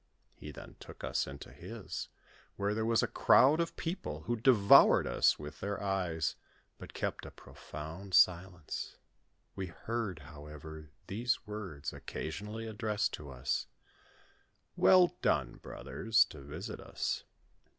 He then took us into his, where there was a crowd of people, who devoured us with their eyes, but kept a profound silence. We heard, however, these words occasionally addressed to us :" Well done, brothers, to visit us